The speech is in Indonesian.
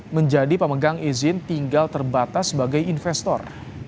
menjadi pemegang izin tinggal terbatas sebagai investor